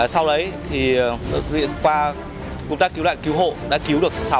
sau đấy thì